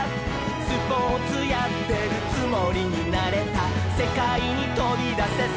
「スポーツやってるつもりになれた」「せかいにとびだせさあおどれ」